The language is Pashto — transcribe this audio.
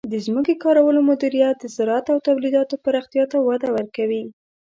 د ځمکې کارولو مدیریت د زراعت او تولیداتو پراختیا ته وده ورکوي.